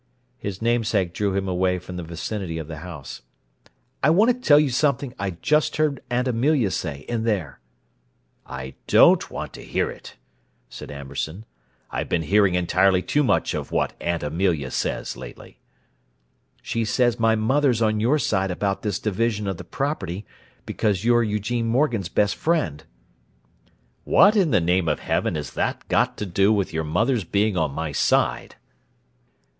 His namesake drew him away from the vicinity of the house. "I want to tell you something I just heard Aunt Amelia say, in there." "I don't want to hear it," said Amberson. "I've been hearing entirely too much of what 'Aunt Amelia says, lately." "She says my mother's on your side about this division of the property because you're Eugene Morgan's best friend." "What in the name of heaven has that got to do with your mother's being on my side?"